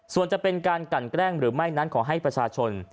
ส่วนจะเป็นการกันแกล้งหรือไม่นั้นขอให้ประชาชน